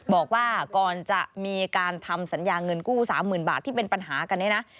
บอกว่าก่อนจะมีการทำสัญญาเงินกู้๓๐๐๐บาทที่เป็นปัญหากันเนี่ยนะ